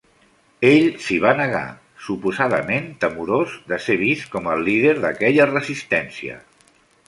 Ell s'hi va negar, suposadament temorós de ser vist com el líder d'aquella resistència.